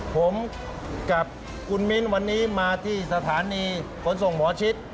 ผมกับคุณมิ้นวันนี้มาที่สถานีขนส่งหมอชิด